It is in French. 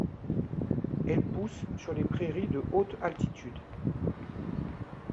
Elle pousse sur les prairies de haute altitude.